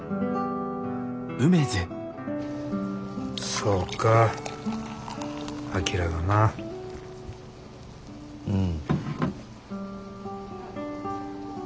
そうか章がなぁ。うん。